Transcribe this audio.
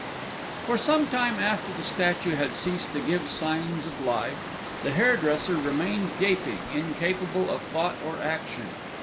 _ For some time after the statue had ceased to give signs of life, the hairdresser remained gaping, incapable of thought or action.